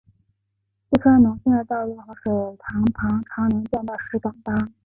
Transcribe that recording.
四川农村的道路和水塘旁常能见到石敢当。